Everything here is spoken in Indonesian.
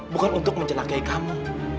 bukan untuk mencelakai kamu